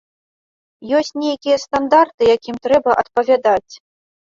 Ёсць нейкія стандарты, якім трэба адпавядаць.